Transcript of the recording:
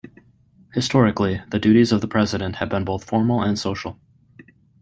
Historically, the duties of the president have been both formal and social.